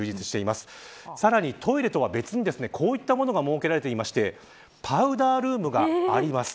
さらにトイレとは別にこういったものが設けられていてパウダールームがあります。